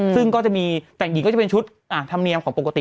ซึ่งก็จะมีแต่งหญิงก็จะเป็นชุดธรรมเนียมของปกติ